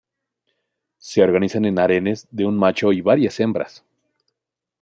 Se organizan en harenes de un macho y varias hembras.